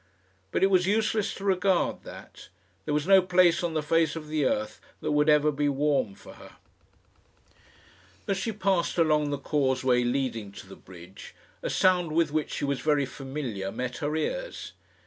But it was useless to regard that. There was no place on the face of the earth that would ever be warm for her. As she passed along the causeway leading to the bridge, a sound with which she was very familiar met her ears.